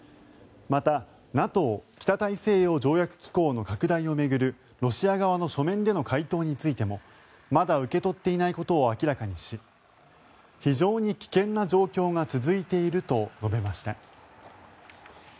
またＮＡＴＯ・北大西洋条約機構の拡大を巡る、ロシア側の書面での回答についてもまだ受け取っていないことを明らかにし非常に危険な状況が続いていると述べました。